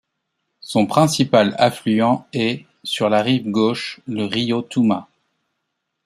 Son principal affluent est, sur la rive gauche, le río Tuma.